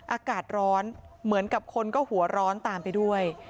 อากาศร้อนเหมือนกับคนก็หัวร้อนตามไปด้วย